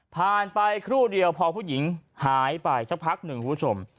ไปครู่เดียวพอผู้หญิงหายไปสักพักหนึ่งคุณผู้ชม